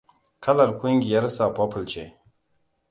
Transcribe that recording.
Kalar ƙungiyarsa purple ce.